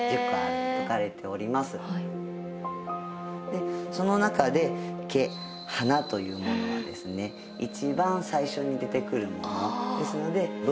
でその中で華花というものはですね一番最初に出てくるもの。